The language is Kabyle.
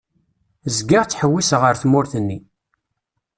Zgiɣ ttḥewwiseɣ ar tmurt-nni.